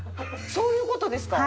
そういう事ですか？